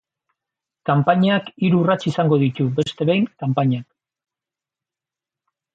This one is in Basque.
Kanpainak hiru urrats izango ditu, beste behin, kanpainak.